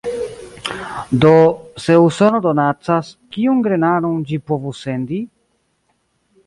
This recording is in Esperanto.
Do, se Usono donacas, kiun grenaron ĝi povus sendi?